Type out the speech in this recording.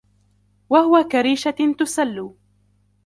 وَهُوَ كَرِيشَةٍ تُسَلُّ